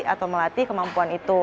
atau melatih kemampuan itu